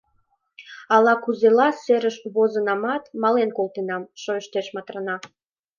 — Ала-кузела сереш возынамат, мален колтенам, — шойыштеш Матрана.